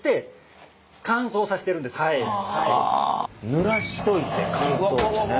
ぬらしといて乾燥ってね。